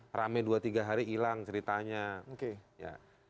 banyak teman teman yang ngungkap soal bagaimana peredaran senjata itu gak ditertipkan